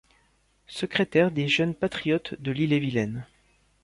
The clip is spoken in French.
Secrétaire des Jeunes patriotes de l'Ille-et-Vilaine.